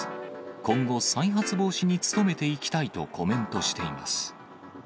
今後、再発防止に努めていきたいとコメントしています。